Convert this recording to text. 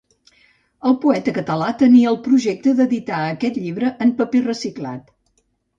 El poeta català tenia el projecte d’editar aquest llibre en paper reciclat.